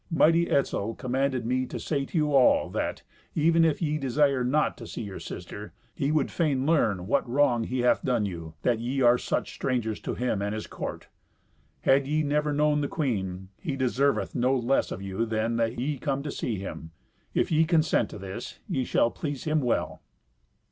Mighty Etzel commanded me to say to you all that, even if ye desire not to see your sister, he would fain learn what wrong he hath done you, that ye are such strangers to him and his court. Had ye never known the queen, he deserveth no less of you than that ye come to see him. If ye consent to this, ye shall please him well."